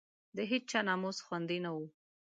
د هېچا ناموس خوندي نه وو.